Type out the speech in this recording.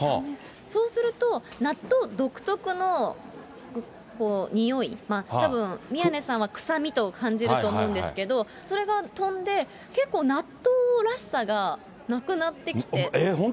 そうすると、納豆独特のにおい、たぶん、宮根さんは臭みと感じると思うんですけど、それが飛んで、結構納豆らしさがなくなってきて。